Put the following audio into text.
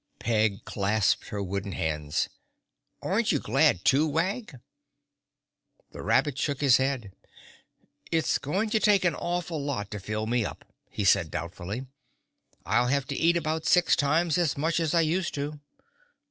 Peg clasped her wooden hands. "Aren't you glad too, Wag?" The rabbit shook his head. "It's going to take an awful lot to fill me up," he said doubtfully. "I'll have to eat about six times as much as I used to."